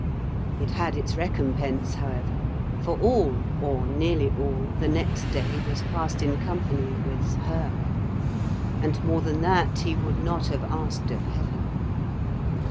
It had its recompense, however; for all or nearly all the next day was passed in company with her; and more than that he would not have asked of Heaven.